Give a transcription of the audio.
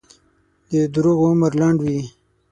د دروغو عمر لنډ وي.